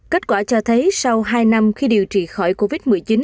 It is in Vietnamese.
kết quả cho thấy sau hai năm khi điều trị khỏi covid một mươi chín